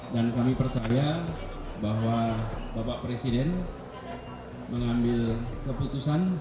dan kami percaya bahwa bapak presiden mengambil keputusan